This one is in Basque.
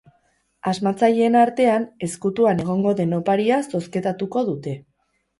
Asmatzaileen artean ezkutuan egongo den oparia zozketatuko dute.